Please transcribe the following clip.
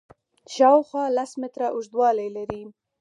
شاوخوا لس متره اوږدوالی لري.